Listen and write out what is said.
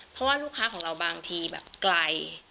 เพราะว่าลูกค้าของเราบางทีแบบไกล